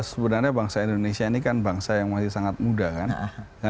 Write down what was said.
sebenarnya bangsa indonesia ini kan bangsa yang masih sangat muda kan